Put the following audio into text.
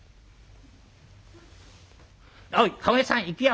「おい駕籠屋さん行くよ」。